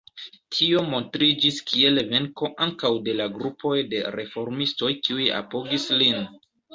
Tio montriĝis kiel venko ankaŭ de la grupoj de reformistoj kiuj apogis lin.